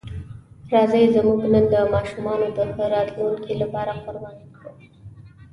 راځئ زموږ نن د ماشومانو د ښه راتلونکي لپاره قرباني کړو.